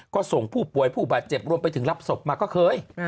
ก็ส่งผู้ป่วยผู้บาดเจ็บรวมไปถึงรับศพมาก็เคย